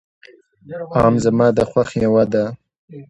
آم زما د خوښې مېوه ده.